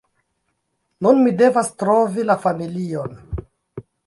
Nun, mi devas trovi la familion